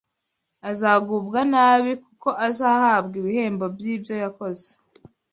Azagubwa nabi, kuko azahabwa ibihembo by’ibyo yakoze